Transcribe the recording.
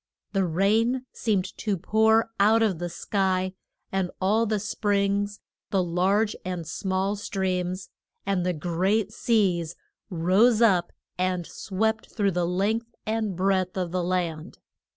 The rain seemed to pour out of the sky, and all the springs, the large and small streams, and the great seas, rose up and swept through the length and breadth of the land.